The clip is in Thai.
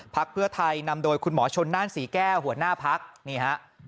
พักเพื่อไทยนำโดยคุณหมอชนน่านศรีแก้วหัวหน้าพักนี่ฮะ